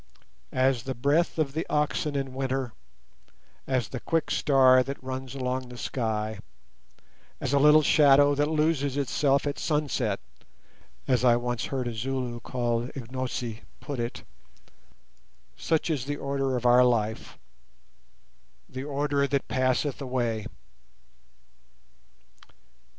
"As the breath of the oxen in winter, as the quick star that runs along the sky, as a little shadow that loses itself at sunset," as I once heard a Zulu called Ignosi put it, such is the order of our life, the order that passeth away.